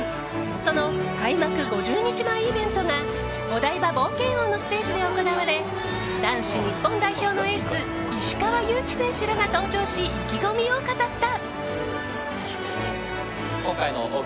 その開幕５０日前イベントがお台場冒険王のステージで行われ男子日本代表のエース石川祐希選手らが登場し意気込みを語った。